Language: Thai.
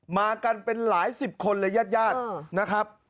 มากันเป็นหลายสิบคนเลยญาติญาตินะครับ